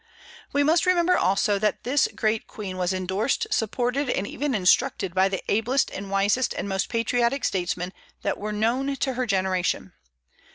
We must remember, also, that this great Queen was indorsed, supported, and even instructed by the ablest and wisest and most patriotic statesmen that were known to her generation.